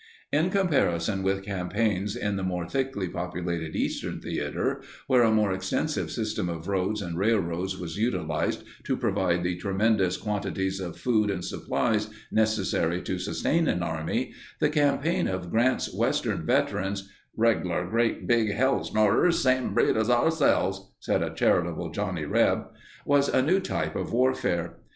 In comparison with campaigns in the more thickly populated Eastern Theater, where a more extensive system of roads and railroads was utilized to provide the tremendous quantities of food and supplies necessary to sustain an army, the campaign of Grant's Western veterans ("reg'lar great big hellsnorters, same breed as ourselves," said a charitable "Johnny Reb") was a new type of warfare.